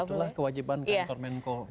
itulah kewajiban kantor menko